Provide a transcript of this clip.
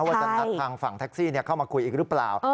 ว่าจะนัดทางฝั่งแท็กซี่เข้ามาคุยอีกหรือเปล่า